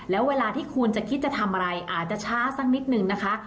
แล้วเวลาที่คุณจะคิดจะทำอะไรอาจจะช้าสักนิดนึงนะคะ